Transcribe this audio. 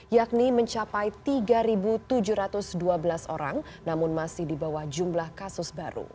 yakni mencapai tiga tujuh ratus dua belas orang namun masih di bawah jumlah kasus baru